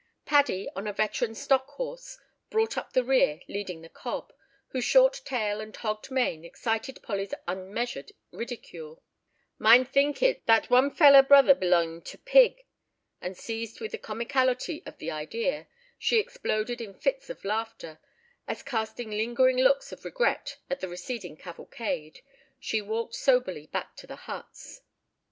Paddy, on a veteran stock horse, brought up the rear leading the cob, whose short tail and hogged mane excited Polly's unmeasured ridicule: "Mine thinkit, that one pfeller brother belongin' to pig," and seized with the comicality of the idea, she exploded in fits of laughter, as casting lingering looks of regret at the receding cavalcade, she walked soberly back to the huts.